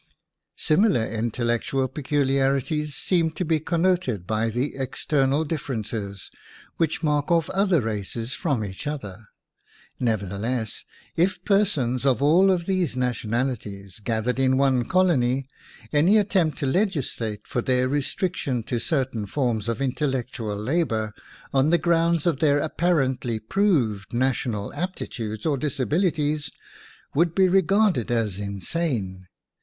Similar intellectual peculiarities seem to be connoted by the external dif ferences which mark off other races from each other. Nevertheless, if per sons of all of these nationalities gath ered in one colony, any attempt to leg islate for their restriction to certain forms of intellectual labor on the ground of their apparently proved na tional aptitudes or disabilities, would be regarded as insane.